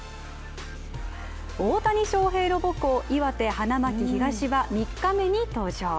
大谷翔平の母校、岩手・花巻東は大会１日目に登場。